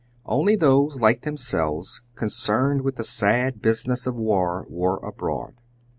Only those, like themselves, concerned with the sad business of war were abroad.